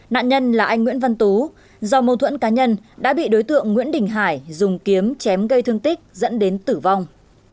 nạn nhân là anh nguyễn văn tú do mâu thuẫn cá nhân đã bị đối tượng nguyễn đình hải dùng kiếm chém gây thương tích dẫn đến tử vong